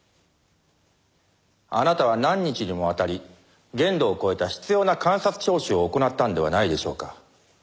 あなたは何日にもわたり限度を超えた執拗な監察聴取を行ったんではないでしょうか。